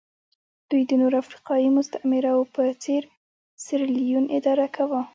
دوی د نورو افریقایي مستعمرو په څېر سیریلیون اداره کاوه.